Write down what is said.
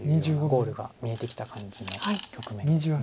ゴールが見えてきた感じの局面です。